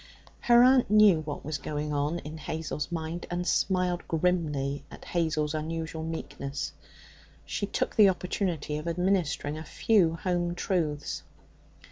Her aunt knew what was going on in Hazel's mind, and smiled grimly at Hazel's unusual meekness. She took the opportunity of administering a few hometruths.